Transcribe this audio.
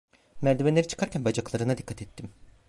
Merdivenleri çıkarken bacaklarına dikkat ettim.